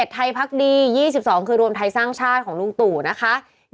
ไทยพักดี๒๒คือรวมไทยสร้างชาติของลุงตู่นะคะ